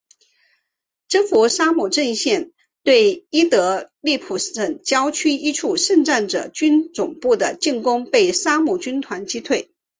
征服沙姆阵线对伊德利卜省郊区一处圣战者军总部的进攻被沙姆军团击退。